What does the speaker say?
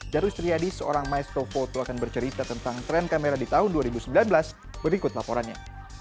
darus triadi seorang maestrofoto akan bercerita tentang tren kamera di tahun dua ribu sembilan belas berikut laporannya